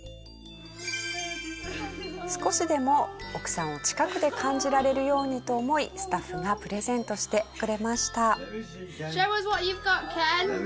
少しでも奥さんを近くで感じられるようにと思いスタッフがプレゼントしてくれました。